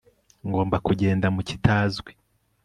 ngomba kugenda mu kitazwi